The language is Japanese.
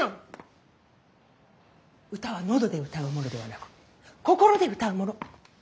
歌は喉で歌うものではなく心で歌うもの。